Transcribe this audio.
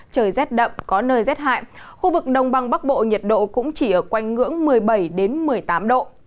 trời rét đậm có nơi rét hại khu vực đông băng bắc bộ nhiệt độ cũng chỉ ở quanh ngưỡng một mươi bảy một mươi tám độ